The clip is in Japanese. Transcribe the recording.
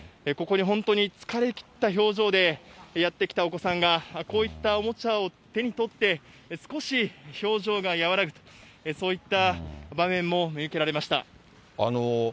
ここに本当に疲れ切った表情でやって来たお子さんが、こういったおもちゃを手に取って、少し表情が和らぐ、そういった場面も見受けられました。